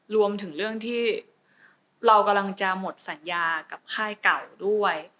รวมถึงเรื่องที่เรากำลังจะหมดสัญญากับค่ายเก่าด้วย